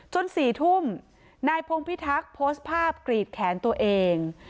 ๔ทุ่มนายพงพิทักษ์โพสต์ภาพกรีดแขนตัวเอง